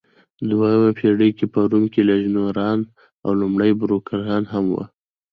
دویمه پېړۍ کې په روم کې لژنونران او لومړۍ بوروکراتان هم وو.